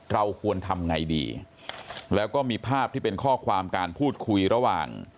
เราควรทำไงดีแล้วก็มีภาพที่เป็นข้อความการพูดคุยระหว่าง